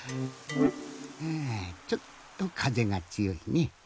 はぁちょっとかぜがつよいね。